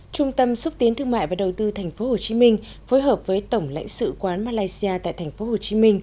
trung tâm xúc tiến thương mại và đầu tư tp hcm phối hợp với tổng lãnh sự quán malaysia tại tp hcm